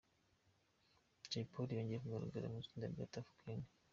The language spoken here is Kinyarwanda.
Jay Polly yongeye kugaragara mu itsinda rya Tuff Gang.